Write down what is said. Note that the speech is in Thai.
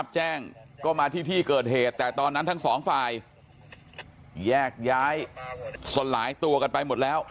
แล้วนี่นางไกลด้วย